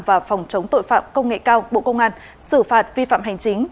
và phòng chống tội phạm công nghệ cao bộ công an xử phạt vi phạm hành chính